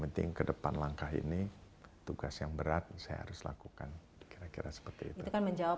penting kedepan langkah ini tugas yang berat saya harus lakukan kira kira seperti itu kan menjawab